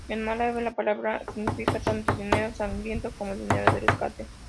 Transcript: En árabe, la palabra significa tanto dinero sangriento como dinero de rescate.